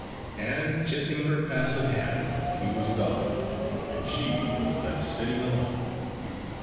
And kissing her passive hand, he was gone and she was left sitting alone.